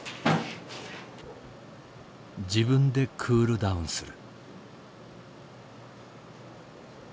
自分でクールダウンする。